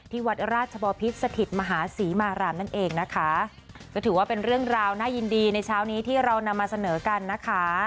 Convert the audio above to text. วัดราชบอพิษสถิตมหาศรีมารามนั่นเองนะคะก็ถือว่าเป็นเรื่องราวน่ายินดีในเช้านี้ที่เรานำมาเสนอกันนะคะ